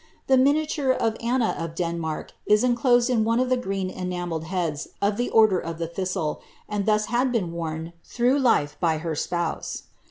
The miniature of Anna of Denmark is enclosed in one of the green enamelled heads of the Order of the Thistle, and thus had been worn through life by her spouse.